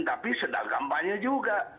tapi sedang kampanye juga